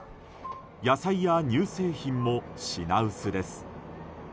野菜や乳製品も品薄です。